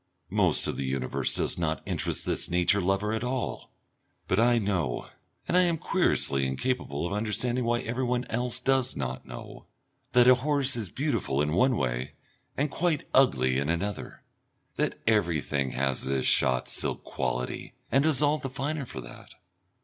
Most of the universe does not interest this nature lover at all. But I know, and I am querulously incapable of understanding why everyone else does not know, that a horse is beautiful in one way and quite ugly in another, that everything has this shot silk quality, and is all the finer for that.